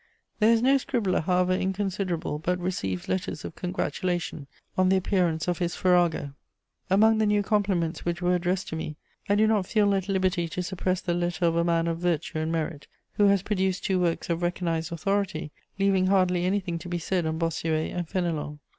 There is no scribbler, however inconsiderable, but receives letters of congratulation on the appearance of his farrago. Among the new compliments which were addressed to me, I do not feel at liberty to suppress the letter of a man of virtue and merit who has produced two works of recognised authority, leaving hardly anything to be said on Bossuet and Fénelon.